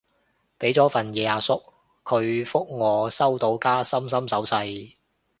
畀咗份嘢個阿叔，佢覆我收到加心心手勢